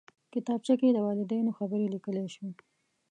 کتابچه کې د والدینو خبرې لیکلی شو